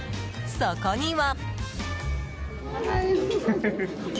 そこには。